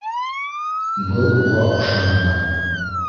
Был уға оҡшаманы